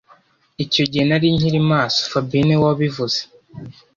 Icyo gihe, nari nkiri maso fabien niwe wabivuze